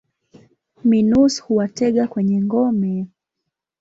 Minus huwatega kwenye ngome.